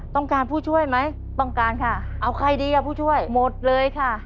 ต้องการผู้ช่วยไหมต้องการค่ะเอาใครดีอ่ะผู้ช่วยหมดเลยค่ะ